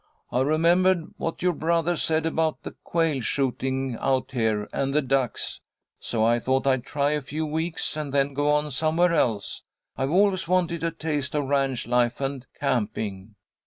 I remembered what your brother said about the quail shooting out here, and the ducks, so I thought I'd try it a few weeks, and then go on somewhere else. I've always wanted a taste of ranch life and camping."